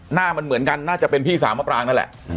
หน้ามันเหมือนกันน่าจะเป็นพี่สาวมะปรางนั่นแหละ